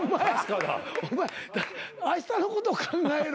お前あしたのこと考えろ。